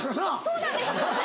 そうなんです！なぁ